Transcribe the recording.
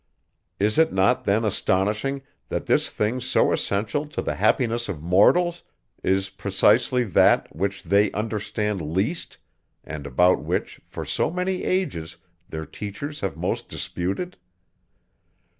Is it not then astonishing, that this thing so essential to the happiness of mortals, is precisely that, which they understand least, and about which, for so many ages, their teachers have most disputed?